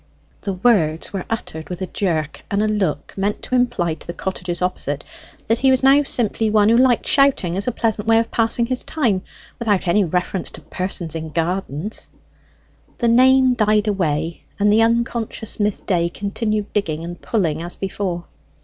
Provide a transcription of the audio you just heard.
The words were uttered with a jerk and a look meant to imply to the cottages opposite that he was now simply one who liked shouting as a pleasant way of passing his time, without any reference to persons in gardens. The name died away, and the unconscious Miss Day continued digging and pulling as before.